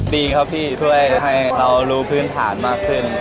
ดีครับพี่ช่วยให้เรารู้พื้นฐานมากขึ้น